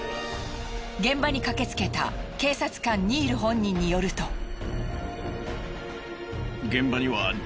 現場に駆けつけた警察官ニール本人によると。